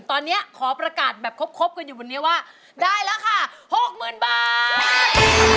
ตอนนี้ขอประกาศแบบครบกันอยู่บนนี้ว่าได้ราคา๖๐๐๐บาท